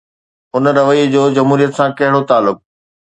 ان رويي جو جمهوريت سان ڪهڙو تعلق؟